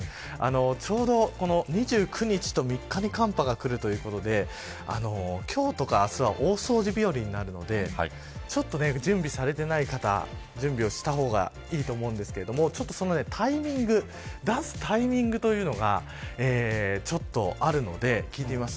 ちょうどこの２９日と３日に寒波が来るということで今日とか明日は大掃除日和になるのでちょっと準備されていない方は準備をした方がいいと思うんですけれどその出すタイミングというのがちょっとあるので聞いてみました。